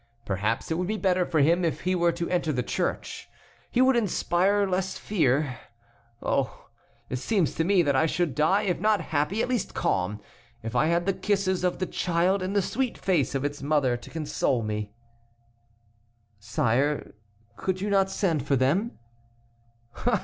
Perhaps it would be better for him if he were to enter the church. He would inspire less fear. Oh! it seems to me that I should die, if not happy, at least calm, if I had the kisses of the child and the sweet face of its mother to console me." "Sire, could you not send for them?"